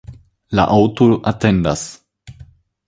La aŭto atendas.